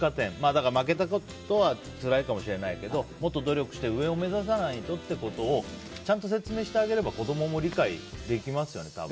だから負けたことはつらいかもしれないけどもっと努力して上を目指さないとということをちゃんと説明してあげれば子供も理解できますよね。